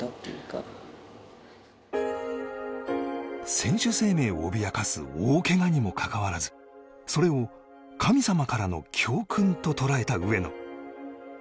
選手生命を脅かす大怪我にもかかわらずそれを神様からの教訓と捉えた上野。